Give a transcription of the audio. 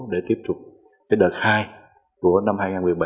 để tiếp tục cái đợt hai của năm hai nghìn một mươi bảy